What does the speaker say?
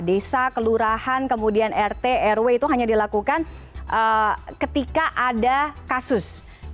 desa kelurahan kemudian rt rw itu hanya dilakukan ketika ada kasus